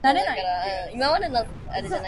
アクセスする必要がある